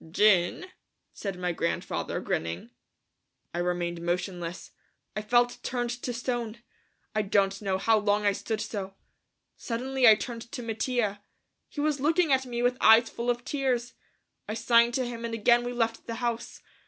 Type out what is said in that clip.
"Gin," said my grandfather, grinning. I remained motionless. I felt turned to stone. I don't know how long I stood so. Suddenly I turned to Mattia. He was looking at me with eyes full of tears. I signed to him and again we left the house.